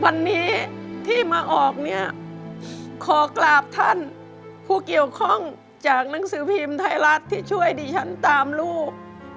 วันนี้ที่มาออกเนี่ยขอกราบท่านผู้เกี่ยวข้องจากหนังสือพิมพ์ไทยรัฐที่ช่วยดิฉันตามลูก